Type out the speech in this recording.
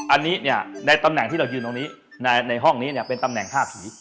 อันนี้เนี่ยในตำแหน่งที่เรายืนตรงนี้ในห้องนี้เนี่ยเป็นตำแหน่ง๕ผี